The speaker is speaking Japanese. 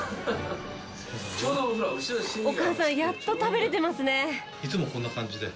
お母さんやっと食べれてますね。